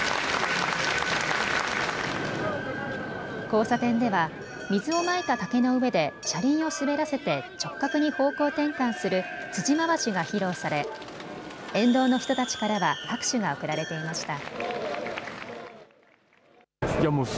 交差点では水をまいた竹の上で車輪を滑らせて直角に方向転換する辻回しが披露され沿道の人たちからは拍手が送られていました。